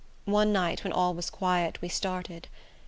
One night, when all was quiet, we started.